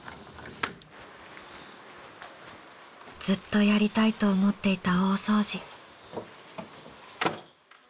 ずっとやりたいと思っていた大掃除。